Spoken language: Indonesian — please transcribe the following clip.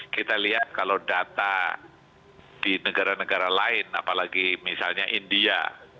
kita lihat kalau data di negara negara lain apalagi misalnya india